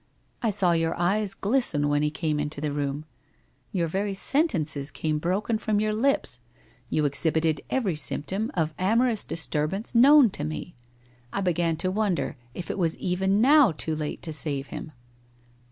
I saw your eyes glisten when He came into the room — your very sentences came broken from your lips — you exhibited every symptom of amorous disturbance known to me! I began to wonder if it was even now too late to save him?